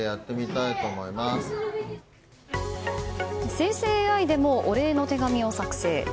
生成ＡＩでもお礼の手紙を作成。